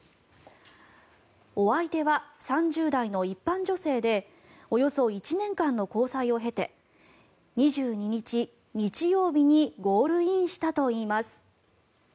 お相手は３０代の一般女性でおよそ１年間の交際を経て２２日、日曜日にゴールインしたといいます。